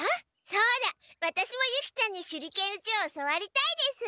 そうだワタシもユキちゃんに手裏剣打ちを教わりたいです。